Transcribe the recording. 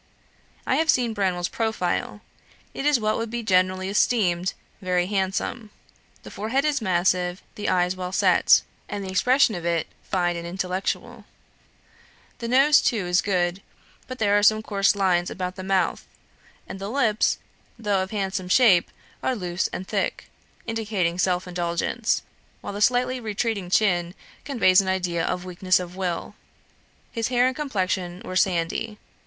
I have seen Branwell's profile; it is what would be generally esteemed very handsome; the forehead is massive, the eye well set, and the expression of it fine and intellectual; the nose too is good; but there are coarse lines about the mouth, and the lips, though of handsome shape, are loose and thick, indicating self indulgence, while the slightly retreating chin conveys an idea of weakness of will. His hair and complexion were sandy.